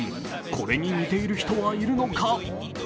これに似ている人はいるのか？